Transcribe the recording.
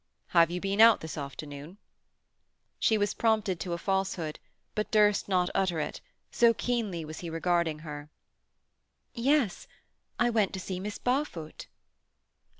"Have you been out this afternoon?" She was prompted to a falsehood, but durst not utter it, so keenly was he regarding her. "Yes, I went to see Miss Barfoot."